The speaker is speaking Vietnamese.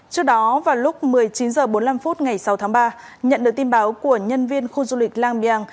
trước đó vào lúc một mươi chín h bốn mươi năm phút ngày sáu tháng ba nhận được tin báo của nhân viên khu du lịch lang biang